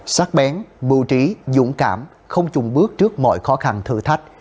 sát bén bù trí dũng cảm không chung bước trước mọi khó khăn thử thách